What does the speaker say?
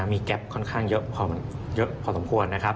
มีแก๊ปค่อนข้างเยอะพอสมควรนะครับ